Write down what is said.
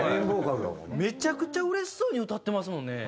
めちゃくちゃうれしそうに歌ってますもんね。